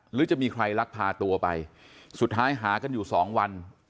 หรือจะมีใครลักพาตัวไปสุดท้ายหากันอยู่สองวัน